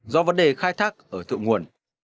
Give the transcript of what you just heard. do vấn đề khai thác ở thượng nguồn